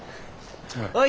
おい。